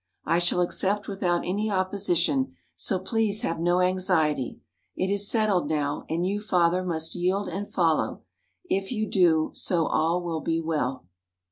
I shall accept without any opposition, so please have no anxiety. It is settled now, and you, father, must yield and follow. If you do so all will be well."